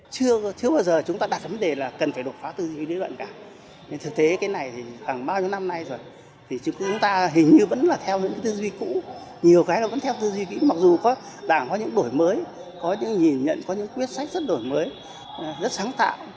có những nhìn nhận có những quyết sách rất đổi mới rất sáng tạo